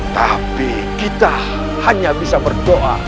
tapi kita hanya bisa berdoa